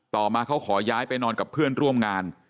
ต่อมาเขาขอย้ายไปนอนกับเพื่อนร่วมงาน